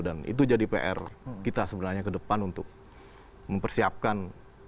dan itu jadi pr kita sebenarnya ke depan untuk mempersiapkan